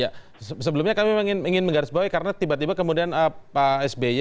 ya sebelumnya kami ingin menggarisbawahi karena tiba tiba kemudian pak sby